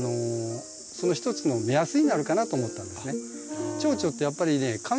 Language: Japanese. その一つの目安になるかなと思ったんですね。